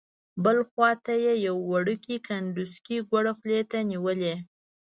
بل خوا ته یې یو وړوکی کنډوسکی ګوړه خولې ته نیولې.